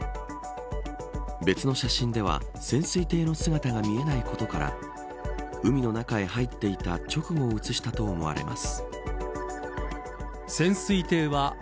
別の写真では潜水艇の姿が見えないことから海の中へ入っていた直後を写したと思われます。